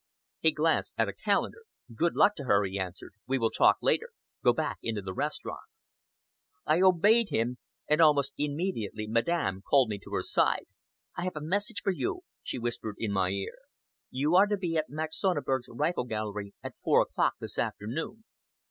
He glanced at a calendar. "Good luck to her!" he answered. "We will talk later. Go back into the restaurant." I obeyed him, and almost immediately Madame called me to her side. "I have a message for you," she whispered in my ear. "You are to be at Max Sonneberg's rifle gallery at four o'clock this afternoon."